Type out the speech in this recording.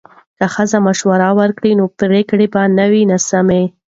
که ښځې مشورې ورکړي نو پریکړه به نه وي ناسمه.